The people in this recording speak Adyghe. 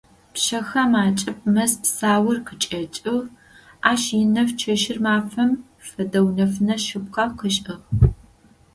Пщэхэм акӏыб мэз псаур къычӏэкӏыгъ, ащ инэф чэщыр мафэм фэдэу нэфынэ шъыпкъэ къышӏыгъ.